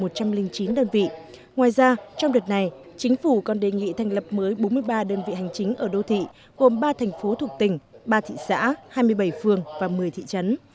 ngoài ra trong đợt này chính phủ còn đề nghị thành lập mới bốn mươi ba đơn vị hành chính ở đô thị gồm ba thành phố thuộc tỉnh ba thị xã hai mươi bảy phường và một mươi thị trấn